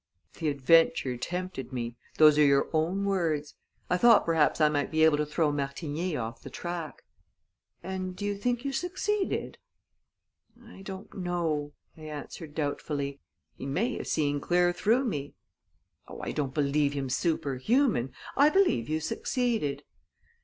"The adventure tempted me those are your own words. I thought perhaps I might be able to throw Martigny off the track." "And do you think you succeeded?" "I don't know," I answered doubtfully. "He may have seen clear through me." "Oh, I don't believe him superhuman! I believe you succeeded."